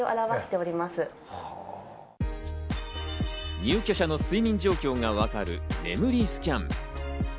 入居者の睡眠状況がわかる、眠りスキャン。